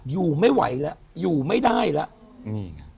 อยู่ไม่ไหวแล้วอยู่ไม่ได้แล้วนี่ไง